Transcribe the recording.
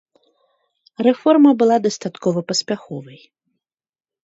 Рэформа была дастаткова паспяховай.